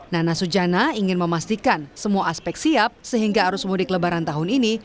nana sujana ingin memastikan semua aspek siap sehingga arus mudik lebaran tahun ini